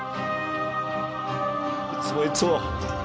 いつもいつも